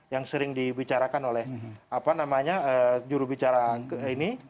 yang sering dibicarakan oleh apa namanya jurubicara ini